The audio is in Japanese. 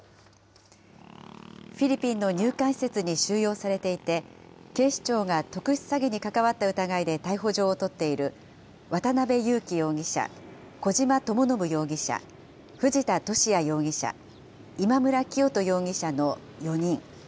フィリピンの入管施設に収容されていて、警視庁が特殊詐欺に関わった疑いで逮捕状を取っている、渡邉優樹容疑者、小島智信容疑者、藤田聖也容疑者、今村磨人容疑者の４人。